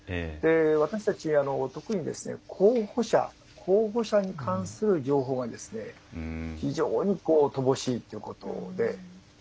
私たちは特に候補者に関する情報が非常に乏しいということで。